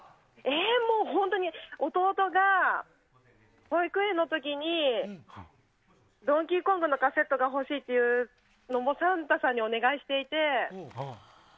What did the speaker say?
もう本当に弟が保育園の時に「ドンキーコング」のカセットが欲しいってサンタさんにお願いしていて。